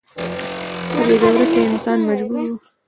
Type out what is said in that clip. په دې دوره کې انسانان مجبور وو.